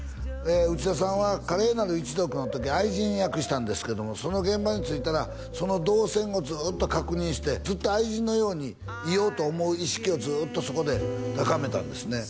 内田さんは「華麗なる一族」の時愛人役したんですけどもその現場に着いたらその動線をずっと確認してずっと愛人のようにいようと思う意識をずっとそこで高めたんですね